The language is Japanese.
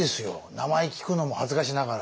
名前聞くのも恥ずかしながら。